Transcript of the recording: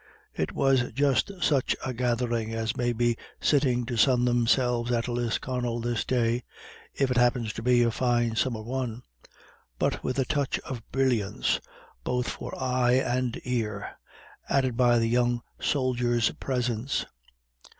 It was just such a gathering as may be sitting to sun themselves at Lisconnel this day if it happens to be a fine summer one but with a touch of brilliance, both for eye and ear, added by the young soldier's presence.